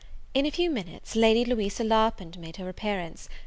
In a few minutes Lady Louisa Larpent made her appearance.